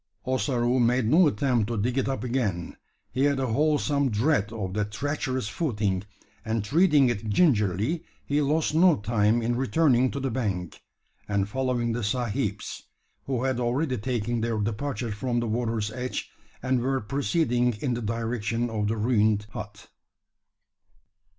Ossaroo made no attempt to dig it up again. He had a wholesome dread of that treacherous footing; and treading it gingerly, he lost no time in returning to the bank, and following the sahibs who had already taken their departure from the water's edge, and were proceeding in the direction of the ruined hut.